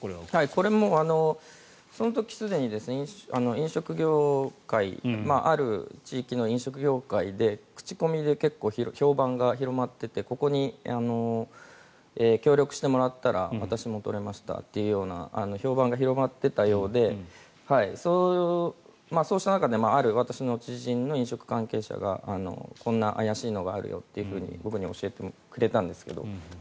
これもその時すでに飲食業界ある地域の飲食業界で口コミで評判が広まっててここに協力してもらったら私も取れましたみたいな評判が広まっていたようでそうした中で、ある私の知人の飲食関係者がこんな怪しいのがあるよと僕に教えてくれたんですけど。